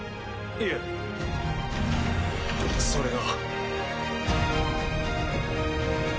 いえそれが。